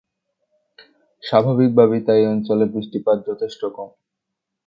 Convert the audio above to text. স্বাভাবিকভাবেই তাই এই অঞ্চলে বৃষ্টিপাত যথেষ্ট কম।